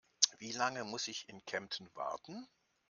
Wie lange muss ich in Kempten warten?